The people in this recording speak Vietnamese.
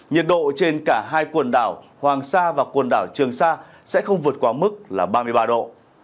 nhiệt độ trên cả hai quần đảo hoàng sa và quần đảo trường sa sẽ không vượt qua mức là ba mươi ba độ